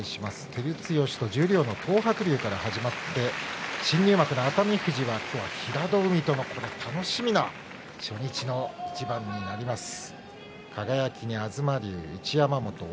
照強と十両の東白龍から始まって新入幕の熱海富士は今日は平戸海との楽しみな初日の一番になります。